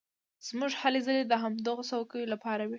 زموږ هلې ځلې د همدغو څوکیو لپاره وې.